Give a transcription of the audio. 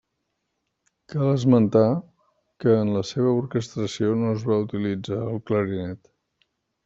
Cal esmentar, que en la seva orquestració no es va utilitzar el clarinet.